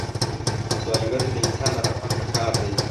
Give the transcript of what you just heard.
سوالګر ته د انسان رحم پکار دی